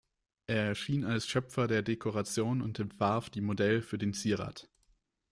Er erschien als Schöpfer der Dekoration und entwarf die Model für den Zierrat.